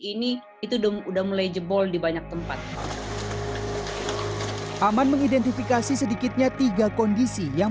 ini itu udah mulai jebol di banyak tempat aman mengidentifikasi sedikitnya tiga kondisi yang